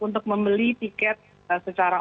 untuk membeli tiket secara